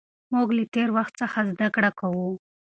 موږ له تېر وخت څخه زده کړه کوو.